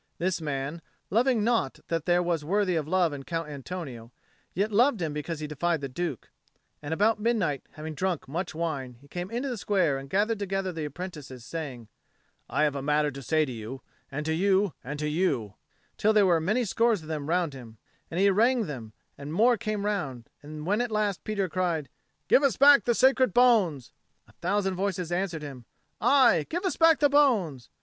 This man, loving naught that there was worthy of love in Count Antonio, yet loved him because he defied the Duke; and about midnight, having drunk much wine, he came into the square and gathered together the apprentices, saying, "I have a matter to say to you and to you and to you," till there were many scores of them round him: then he harangued them, and more came round; and when at last Peter cried, "Give us back the sacred bones!" a thousand voices answered him, "Aye, give us back the bones!"